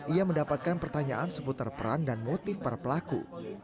ia mendapatkan pertanyaan seputar peran dan motif para pelaku